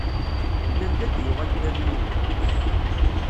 Nnan-d ad yuɣal Dda Lmulud.